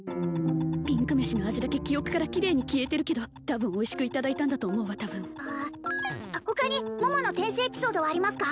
ピンク飯の味だけ記憶からキレイに消えてるけど多分おいしくいただいたんだと思うわ多分他に桃の天使エピソードはありますか？